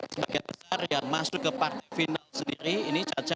sebagian besar yang masuk ke partai final sendiri ini caca